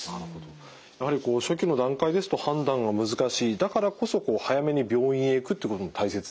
やはりこう初期の段階ですと判断が難しいだからこそ早めに病院へ行くってことも大切ですね。